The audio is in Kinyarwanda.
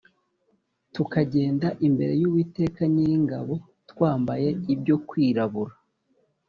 tukagendera imbere y’Uwiteka Nyiringabo twambaye ibyo kwirabura?